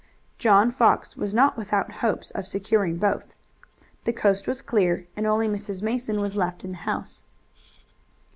John Fox was not without hopes of securing both. The coast was clear, and only Mrs. Mason was left in the house.